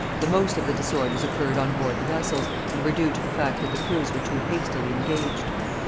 The most of the disorders occurred on board the vessels, and were due to the fact that the crews were too hastily engaged.